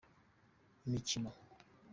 imikino.